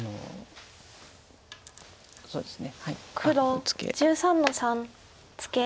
黒１３の三ツケ。